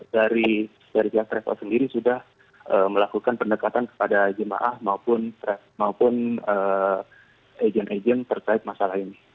dari pihak travel sendiri sudah melakukan pendekatan kepada jemaah maupun agent agent terkait masalah ini